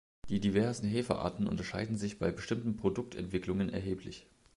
Die diversen Hefe-Arten unterscheiden sich bei bestimmten Produktentwicklungen erheblich.